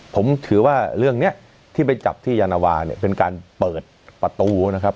ผมถือว่าเรื่องนี้ที่ไปจับที่ยานวาเนี่ยเป็นการเปิดประตูนะครับ